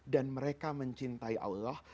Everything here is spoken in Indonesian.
dan mereka mencintai allah